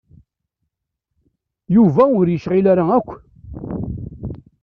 Yuba ur yecɣil ara akk.